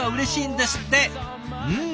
うん。